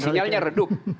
oke sinyalnya redup